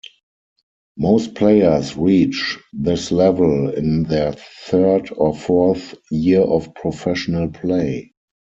Most players reach this level in their third or fourth year of professional play.